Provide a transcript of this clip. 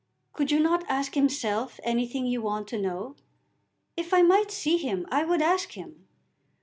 "Could you not ask himself anything you want to know? If I might see him I would ask him."